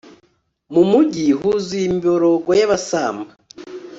mu mugi huzuye imiborogo y'abasamba